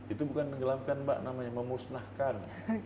itu bukan tenggelamkan mbak namanya memusnahkan